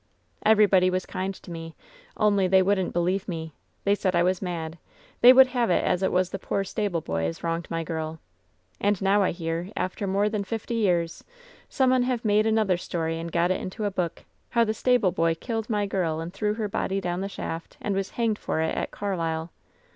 "Everybody was kind to me, only they wouldn't be lieve me. They said I was mad. They would have it as it was the poor stableboy as wronged my girl. And now 1 hear, after more than fifty years, some un have made another story and got it into a book, how the stable boy killed my girl and threw her body down the shaft, and was hanged for it at Carlisle.